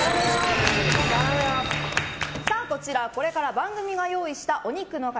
こちら、これから番組が用意したお肉の塊